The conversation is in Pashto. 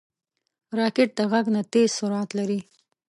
راکټ د غږ نه تېز سرعت لري